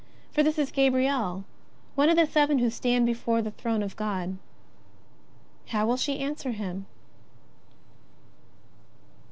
For this is Gabriel, one of the seven who stand before God. How will she answer him